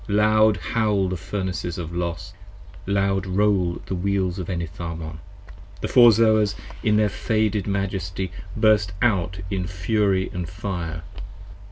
Loud howl The Furnaces of Los! loud roll the Wheels of Enitharmon! 55 The Four Zoas in all their faded majesty burst out in fury And fire.